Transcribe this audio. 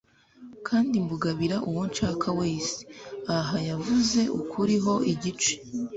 kandi mbugabira uwo nshaka wese, aha yavuze ukuri ho igice,